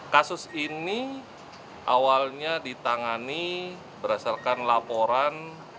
kasus ini awalnya ditangani berdasarkan laporan